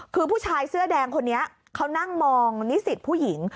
คือผู้ชายเสื้อแดงคนนี้เขานั่งมองนิสิตผู้หญิง